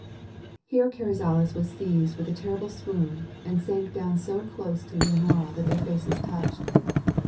Here Carrizales was seized with a terrible swoon, and sank down so close to Leonora that their faces touched.